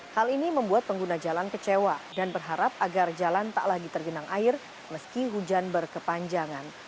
hal ini membuat pengguna jalan kecewa dan berharap agar jalan tak lagi tergenang air meski hujan berkepanjangan